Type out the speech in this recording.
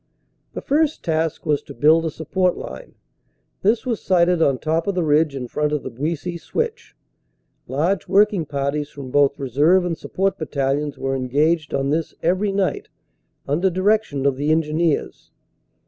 "The first task was to build a support line. This was sited on top of the ridge in front of the Buissy Switch. Large work ing parties from both reserve and support Battalions were engaged on this every night under direction of the Engineers.